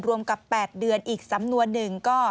รวมกับ๘เดือนอีกสำนวนหนึ่งก็